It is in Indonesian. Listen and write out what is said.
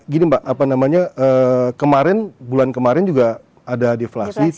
gini mbak apa namanya kemarin bulan kemarin juga ada deflasi